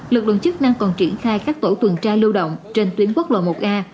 lực lượng chức năng còn triển khai các tổ tuần tra lưu động trên tuyến quốc lộ một a